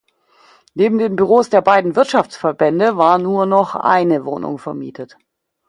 Neben den Büros der beiden Wirtschaftsverbände war nur noch eine Wohnung vermietet.